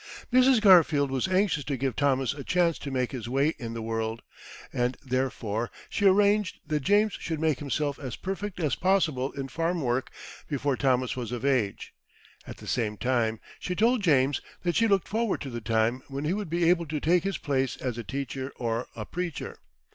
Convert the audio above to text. Mrs. Garfield was anxious to give Thomas a chance to make his way in the world, and therefore she arranged that James should make himself as perfect as possible in farm work before Thomas was of age. At the same time, she told James that she looked forward to the time when he would be able to take his place as a teacher or a preacher.